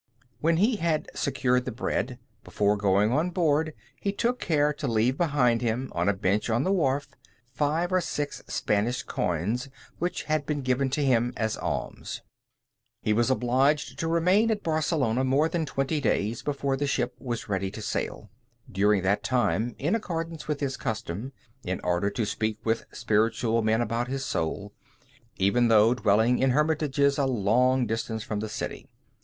When he had secured the bread, before going on board he took care to leave behind him, on a bench on the wharf, five or six Spanish coins, which had been given to him as alms. [Illustration: OUR LADY OF THE WAYSIDE. Favorite Picture of St. Ignatius.] He was obliged to remain at Barcelona more than twenty days before the ship was ready to sail. During that time, in accordance with his custom, in order to speak with spiritual men about his soul, he sought them out even though dwelling in hermitages at a long distance from the city.